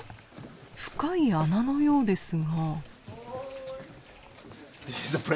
深い穴のようですが。